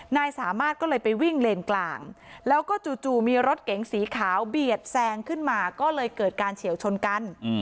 นายสามารถก็เลยไปวิ่งเลนกลางแล้วก็จู่มีรถเก๋งสีขาวเบียดแซงขึ้นมาก็เลยเกิดการเฉียวชนกัน